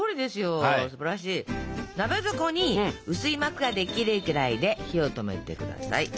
鍋底に薄い膜ができるくらいで火を止めて下さい。